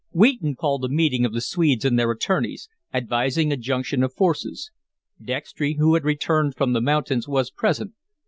Wheaton called a meeting of the Swedes and their attorneys, advising a junction of forces. Dextry, who had returned from the mountains, was present.